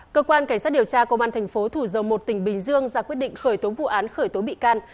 cơ quan cảnh sát điều tra công an thành phố thủ dầu một tỉnh bình dương ra quyết định khởi tố vụ án khởi tố bị can